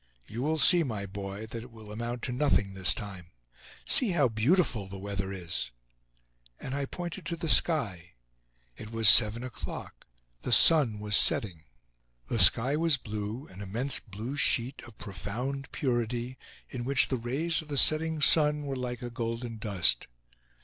You will see, my boy, that it will amount to nothing this time. See how beautiful the weather is!" And I pointed to the sky. It was seven o'clock; the sun was setting. The sky was blue, an immense blue sheet of profound purity, in which the rays of the setting sun were like a golden dust.